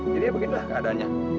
jadi beginilah keadaannya